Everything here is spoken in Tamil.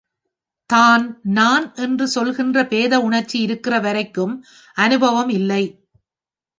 தான், நான் என்று சொல்கின்ற பேத உணர்ச்சி இருக்கிற வரைக்கும் அநுபவம் இல்லை.